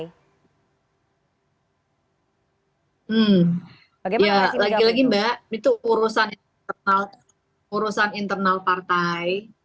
ya lagi lagi mbak itu urusan internal partai